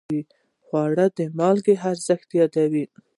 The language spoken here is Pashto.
خوړل د مالګې ارزښت یادوي